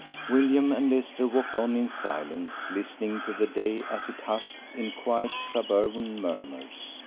William and Esther walked on in silence, listening to the day as it hushed in quiet suburban murmurs.